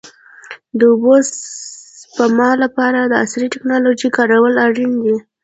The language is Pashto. د اوبو د سپما لپاره عصري ټکنالوژي کارول اړین دي.